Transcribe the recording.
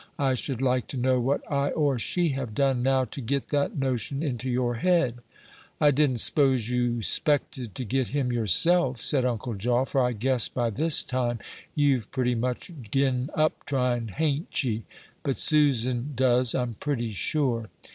I should like to know what I or she have done, now, to get that notion into your head?" "I didn't s'pose you 'spected to get him yourself," said Uncle Jaw, "for I guess by this time you've pretty much gin up trying, hain't ye? But Susan does, I'm pretty sure."